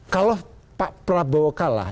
kalau pak prabowo kalah